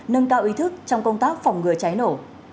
nâng cao ý thức trong công tác phòng ngừa cháy nổ